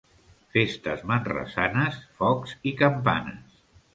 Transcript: Festes manresanes, focs i campanes.